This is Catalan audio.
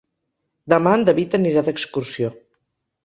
Demà en David anirà d'excursió.